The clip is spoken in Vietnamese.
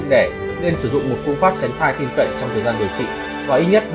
dụng đẻ nên sử dụng một phương pháp tránh thai tiêm cậy trong thời gian điều trị và ít nhất ba